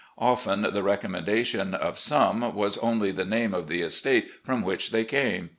Often the recommendation of some was only the name of the estate from which they came.